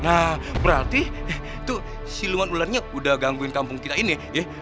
nah berarti itu siluman ularnya udah gangguin kampung kita ini ya